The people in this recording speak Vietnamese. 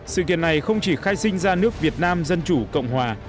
sự kiện này không chỉ khai sinh ra nước việt nam dân chủ cộng hòa